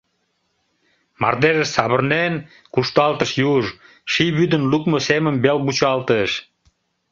Мардежыш савырнен кушталтыш юж, Ший вӱдын лукмо семым вел вучалтыш.